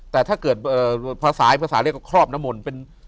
แต่ถ้าเกิดภาษาเรียกก็ครอบน้ำมนต์